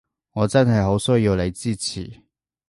我真係好需要你支持